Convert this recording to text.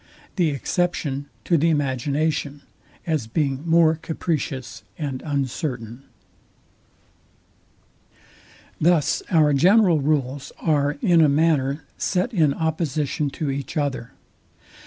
The exception to the imagination, as being more capricious and uncertain. Sect. 15. Thus our general rules are in a manner set in opposition to each other.